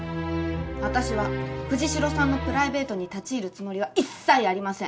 私は藤代さんのプライベートに立ち入るつもりは一切ありません。